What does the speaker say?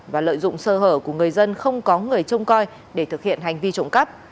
và lợi dụng sơ hở của người dân không có người trông coi để thực hiện hành vi trộm cắp